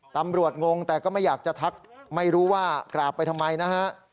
งงแต่ก็ไม่อยากจะทักไม่รู้ว่ากราบไปทำไมนะฮะ